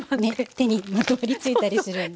手にまとわりついたりするんで。